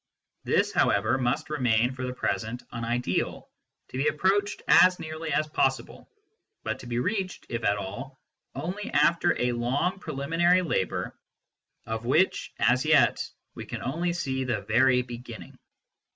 \ This, however, must remain for the present an ideal, to s be approached as nearly as possible, but to be reached, if at all, only after a long preliminary labour of which as yet we can only see the very beginning.